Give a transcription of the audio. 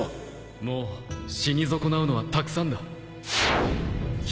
もう死に損なうのはたくさんだ